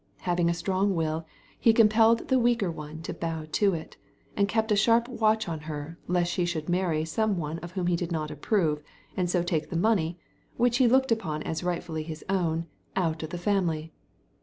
Having a strong will, he compelled her weaker one to bow to it ; and kept a sharp watch on her, lest she should many some one of whom he did not approve, and so take the money — which he looked upon as rightfully his own — out of the family.